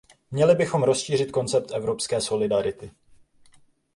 Měli bychom rozšířit koncept evropské solidarity.